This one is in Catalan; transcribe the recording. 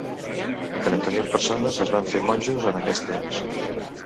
Trenta mil persones es van fer monjos en aquest temps.